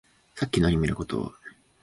さっきのアニメのこと